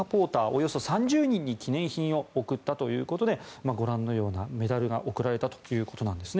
およそ３０人に記念品を贈ったということでご覧のようなメダルが贈られたということです。